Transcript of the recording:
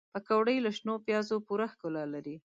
پکورې له شنو پیازو پوره ښکلا لري